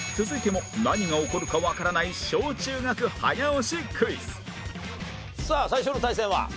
続いても何が起こるかわからない小・中学早押しクイズさあ最初の対戦は？